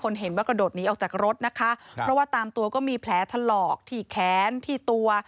เขาบอกที่แขนที่ตัว